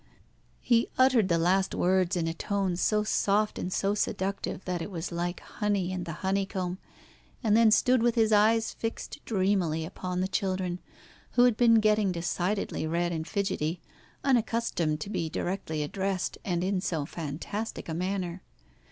He uttered the last words in a tone so soft and so seductive that it was like honey and the honeycomb, and then stood with his eyes fixed dreamily upon the children, who had been getting decidedly red and fidgety, unaccustomed to be directly addressed, and in so fantastic a manner.